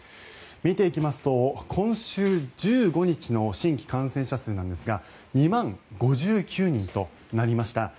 見ていきますと今週１５日の新規感染者数なんですが２万５９人となりました。